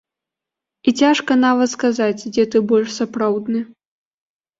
І цяжка нават сказаць дзе ты больш сапраўдны.